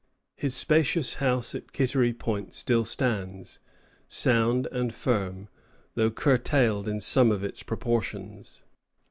His spacious house at Kittery Point still stands, sound and firm, though curtailed in some of its proportions.